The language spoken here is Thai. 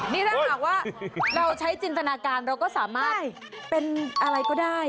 นี่ถ้าหากว่าเราใช้จินตนาการเราก็สามารถเป็นอะไรก็ได้